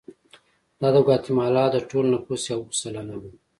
دا د ګواتیمالا د ټول نفوس یو سلنه وو.